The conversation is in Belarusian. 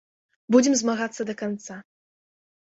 Будзем змагацца да канца.